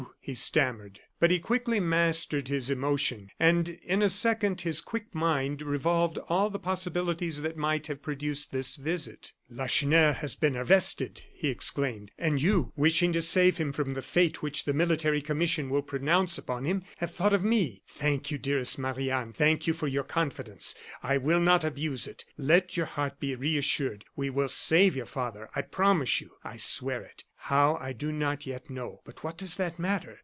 he stammered. But he quickly mastered his emotion, and in a second his quick mind revolved all the possibilities that might have produced this visit: "Lacheneur has been arrested!" he exclaimed, "and you, wishing to save him from the fate which the military commission will pronounce upon him, have thought of me. Thank you, dearest Marie Anne, thank you for your confidence. I will not abuse it. Let your heart be reassured. We will save your father, I promise you I swear it. How, I do not yet know. But what does that matter?